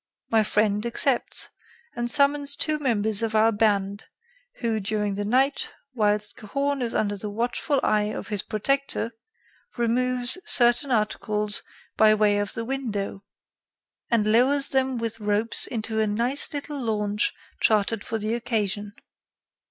My friend accepts and summons two members of our band, who, during the night, whilst Cahorn is under the watchful eye of his protector, removes certain articles by way of the window and lowers them with ropes into a nice little launch chartered for the occasion.